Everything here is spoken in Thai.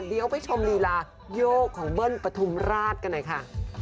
เดี๋ยวไปชมลีลายกของเบิ้ลปฐุมราชกันหน่อยค่ะ